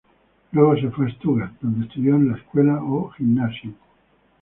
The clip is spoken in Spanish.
Luego se fue a Stuttgart, donde estudió en su escuela o Gymnasium.